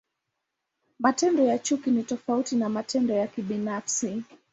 Matendo ya chuki ni tofauti na matendo ya kibinafsi.